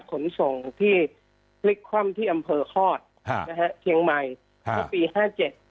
ขนส่งที่พฤษคว่ำที่อำเผอคลอดฮะเหซะเขียงไหมเข้าปีห้าเจ็ด